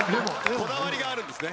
こだわりがあるんですね。